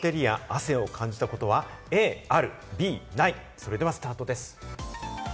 それではスタートです。